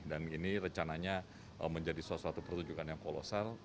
dan ini recananya menjadi suatu suatu pertunjukan yang kolosal